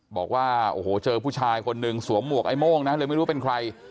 บอกว่าโอ้โหเจอผู้ชายคนหนึ่งสวมหมวกไอ้โม่งนะเลยไม่รู้เป็นใคร